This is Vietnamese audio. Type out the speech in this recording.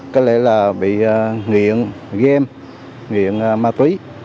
có lẽ là bị nghiện game nghiện ma túy